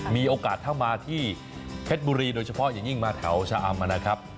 มีโอกาสถ้ามาที่เพชรบุรีโดยเฉพาะอย่างยิ่งมาแถวชะอำนะครับ